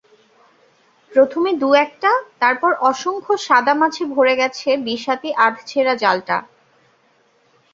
প্রথমে দু-একটা, তারপর অসংখ্য সাদা মাছে ভরে গেছে বিশহাতি আধছেঁড়া জালটা।